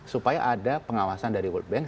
supaya ada pengawasan dari world bank